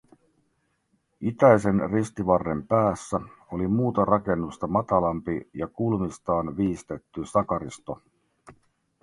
Itäisen ristivarren päässä oli muuta rakennusta matalampi ja kulmistaan viistetty sakaristo